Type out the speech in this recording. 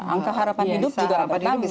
angka harapan hidup juga dapat tambah